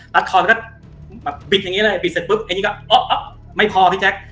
ลัดคอแล้วก็แบบบิดอย่างงี้เลยบิดเสร็จปุ๊บไอ้นี่ก็อ๊ออ๊อไม่พอพี่แจ็ค